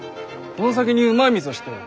この先にうまい店を知っておる。